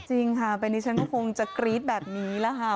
จริงค่ะแต่เนี้ยฉันก็คงจะกรี๊ดแบบนี้ละค่ะ